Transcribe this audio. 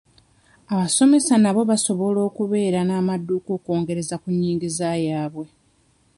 Abasomesa nabo basobola okubeera n'amadduuka okwongereza ku nyingiza yabwe.